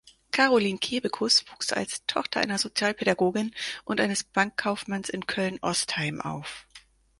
Carolin Kebekus wuchs als Tochter einer Sozialpädagogin und eines Bankkaufmanns in Köln-Ostheim auf.